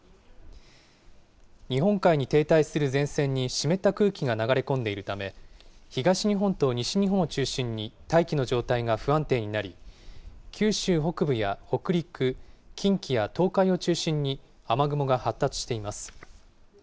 日本海に停滞する前線に湿った空気が流れ込んでいるため、東日本と西日本を中心に大気の状態が不安定になり、九州北部や北陸、近畿や東海を中心に雨雲が発達しています。